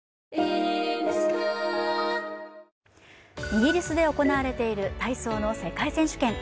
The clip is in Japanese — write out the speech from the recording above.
イギリスで行われている体操の世界選手権。